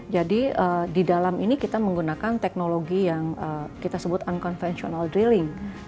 jadi di dalam ini kita menggunakan teknologi yang kita sebut unconventional drilling